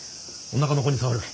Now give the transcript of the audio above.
おなかの子に障る。